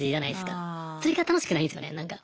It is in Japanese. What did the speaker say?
それが楽しくないんですよねなんか。